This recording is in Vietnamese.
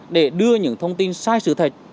để đưa những thông tin sai sự thật